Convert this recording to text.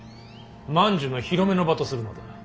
万寿の披露目の場とするのだ。